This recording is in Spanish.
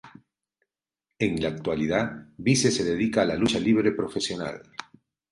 En la actualidad, Wiese se dedica a la lucha libre profesional.